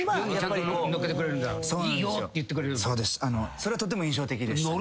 それはとても印象的でしたね。